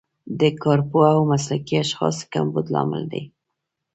د کارپوه او مسلکي اشخاصو کمبود لامل دی.